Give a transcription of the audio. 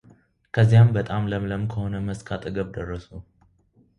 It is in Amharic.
ከዚያም በጣም ለምለም ከሆነ መስክ አጠገብ ደረሱ፡፡